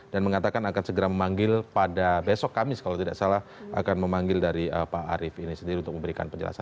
dan mengatakan akan segera memanggil pada besok kamis kalau tidak salah akan memanggil dari pak arief ini sendiri untuk membahas